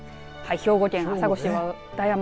兵庫県朝来市和田山。